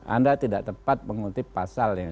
anda tidak tepat mengutip pasalnya